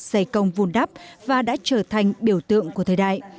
giày công vùn đắp và đã trở thành biểu tượng của thời đại